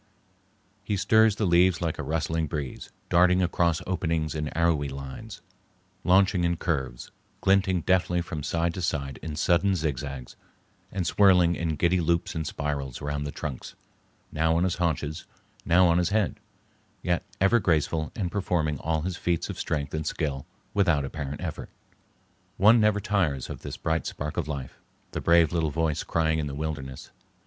He stirs the leaves like a rustling breeze, darting across openings in arrowy lines, launching in curves, glinting deftly from side to side in sudden zigzags, and swirling in giddy loops and spirals around the trunks, now on his haunches, now on his head, yet ever graceful and performing all his feats of strength and skill without apparent effort. One never tires of this bright spark of life, the brave little voice crying in the wilderness.